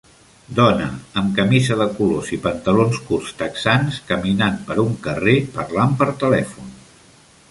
Dona amb camisa de colors i pantalons curts texans caminant per un carrer parlant per telèfon.